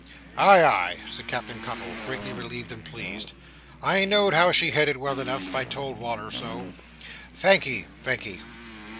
"Ay, ay!" said Captain Cuttle, greatly relieved and pleased. "I know'd how she headed, well enough; I told Wal"r so. Thank'ee, thank'ee."